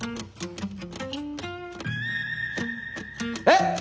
えっ！？